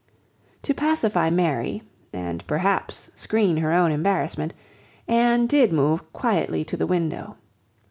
To pacify Mary, and perhaps screen her own embarrassment, Anne did move quietly to the window.